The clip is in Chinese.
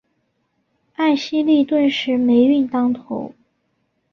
艾希莉顿时霉运当头。